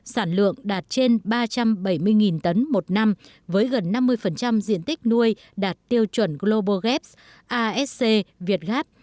sản lượng đạt trên ba trăm bảy mươi tấn một năm với gần năm mươi diện tích nuôi đạt tiêu chuẩn global gaps asc việt gáp